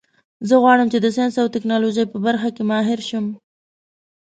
زه غواړم چې د ساینس او ټکنالوژۍ په برخه کې ماهر شم